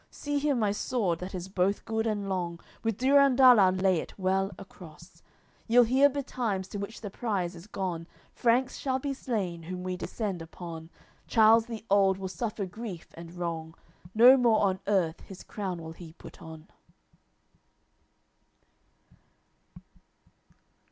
See here my sword, that is both good and long With Durendal I'll lay it well across; Ye'll hear betimes to which the prize is gone. Franks shall be slain, whom we descend upon, Charles the old will suffer grief and wrong, No more on earth his crown will he put on."